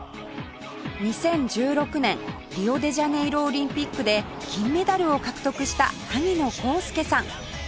２０１６年リオデジャネイロオリンピックで金メダルを獲得した萩野公介さん